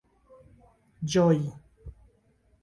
ĝoji